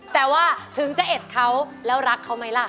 แต่ว่าถึงจะเอ็ดเขาแล้วรักเขาไหมล่ะ